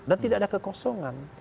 dan tidak ada kekosongan